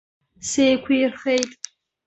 Сеиқәирхеит.